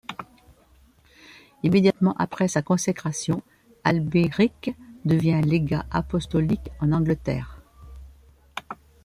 Immédiatement après sa consécration, Albéric devient légat apostolique en Angleterre.